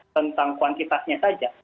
tentang kuantitasnya saja